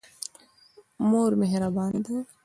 مور مهربانه ده.